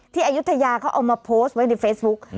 อายุทยาเขาเอามาโพสต์ไว้ในเฟซบุ๊ก